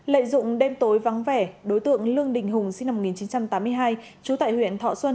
lợi dụng đêm tối vắng vẻ đối tượng lương đình hùng sinh năm một nghìn chín trăm tám mươi hai trú tại huyện thọ xuân